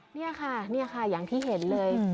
นี่ค่ะอย่างที่เห็นเลย